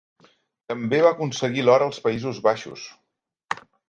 També va aconseguir l'or als Països Baixos.